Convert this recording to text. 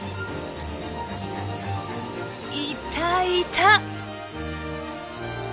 「いたいた！」。